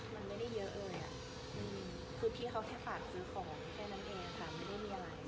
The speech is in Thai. มันไม่ได้เยอะเลยอ่ะคือพี่เขาแค่ฝากซื้อของแค่นั้นเองค่ะไม่ได้มีอะไร